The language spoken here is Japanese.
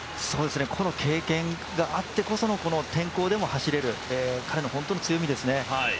この経験があってこその、この天候であっても走れる、彼の本当に強みですね。